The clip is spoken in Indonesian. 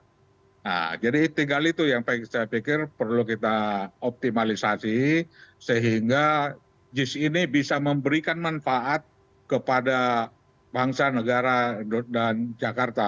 nah jadi tinggal itu yang saya pikir perlu kita optimalisasi sehingga jis ini bisa memberikan manfaat kepada bangsa negara dan jakarta